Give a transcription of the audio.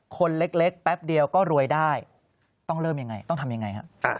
คนเล็กแป๊บเดียวก็รวยได้ต้องเริ่มอย่างไรต้องทำอย่างไรครับ